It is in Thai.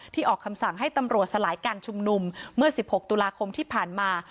ออกคำสั่งให้ตำรวจสลายการชุมนุมเมื่อ๑๖ตุลาคมที่ผ่านมา